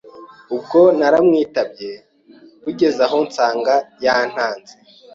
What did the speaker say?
Ubwo naramwitabye bugezeho nsanga yantanze